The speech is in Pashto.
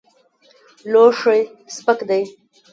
لوښی سپک دی.